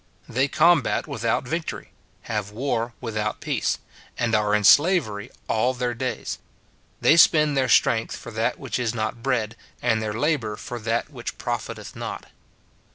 They combat without victory, have war without peace, and are in slavery all their days. They spend their strength for that which is not bread, and their labour for that which profiteth not.